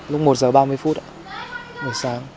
lúc một giờ ba mươi phút ạ buổi sáng